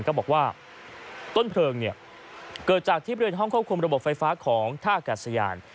ก็บอกว่าต้นเพลิงเกิดจากที่บริเวณห้องควบคุมระบบไฟฟ้าของท่าอากาศยาน